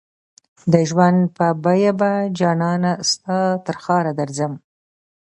د ژوند په بیه به جانانه ستا ترښاره درځم